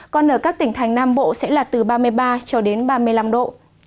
còn ở các tỉnh thành nam bộ sẽ là từ ba mươi ba cho đến ba mươi năm độ